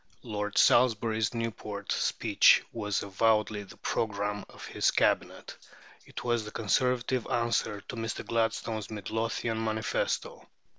Lord Salisbury's Newport speech was avowedly the programme of his Cabinet. It was the Conservative answer to Mr. Gladstone's Midlothian manifesto.